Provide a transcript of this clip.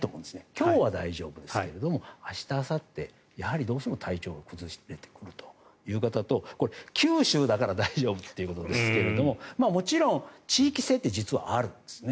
今日は大丈夫ですけれども明日、あさって、どうしても体調を崩してくるという方と九州だから大丈夫ということですがもちろん、地域性って実はあるんですね。